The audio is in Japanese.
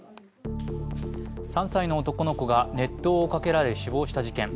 ３歳の男の子が熱湯をかけられ死亡した事件。